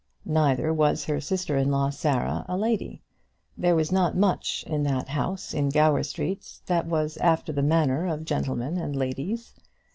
Neither was her sister in law Sarah a lady. There was not much in that house in Gower Street that was after the manner of gentlemen and ladies.